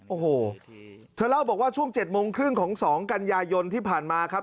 โอ้โหเธอเล่าบอกว่าช่วง๗โมงครึ่งของ๒กันยายนที่ผ่านมาครับ